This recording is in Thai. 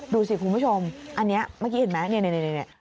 ดูสิคุณผู้ชมอันนี้เมื่อกี้เห็นไหมเนี่ย